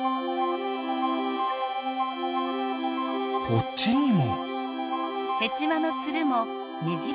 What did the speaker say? こっちにも。